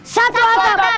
satu atap lima kuarga